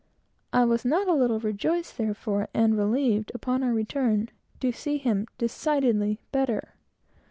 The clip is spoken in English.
I was not a little rejoiced, therefore, and relieved, upon our return, to see him decidedly better.